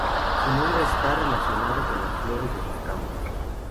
Su nombre está relacionado con las flores de sus campos.